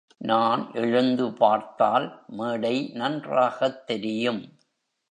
நான் எழுந்து பார்த்தால் மேடை நன்றாகத் தெரியும்.